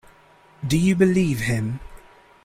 Do you believe him?